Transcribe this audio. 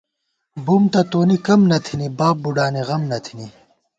بُوم تہ تونی کم نہ تِھنی ، باب بُوڈانی غم نہ تھنی